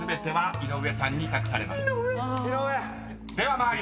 井上。